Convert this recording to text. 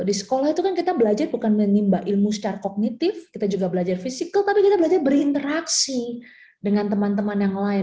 di sekolah itu kan kita belajar bukan menimba ilmu secara kognitif kita juga belajar fisikal tapi kita belajar berinteraksi dengan teman teman yang lain